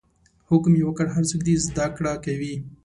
حکم یې وکړ هر څوک دې زده کړه کوي.